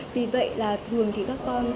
vì vậy là thường thì các con